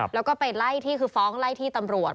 แล้วก็ไปไล่ที่คือฟ้องไล่ที่ตำรวจ